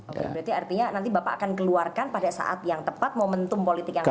oke berarti artinya nanti bapak akan keluarkan pada saat yang tepat momentum politik yang tepat